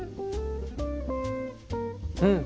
うん！